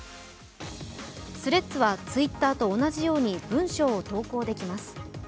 ＴｈｒｅａｄｓはＴｗｉｔｔｅｒと同じように文章を投稿できます。